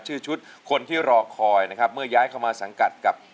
เพลงนี้อยู่ในอาราบัมชุดแรกของคุณแจ็คเลยนะครับ